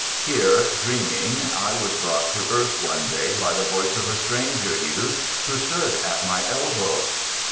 Here, dreaming, I was brought to earth one day by the voice of a stranger youth who stood at my elbow.